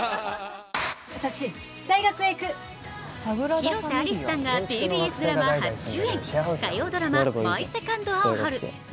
広瀬アリスさんがＴＢＳドラマ初主演、火曜ドラマ「マイ・セカンド・アオハル」。